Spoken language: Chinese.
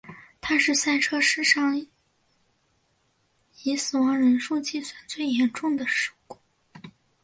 它是赛车史上以死亡人数计算最严重的事故。